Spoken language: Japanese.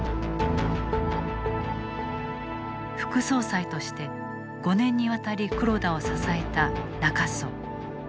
副総裁として５年にわたり黒田を支えた中曽。